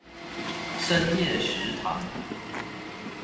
深夜食堂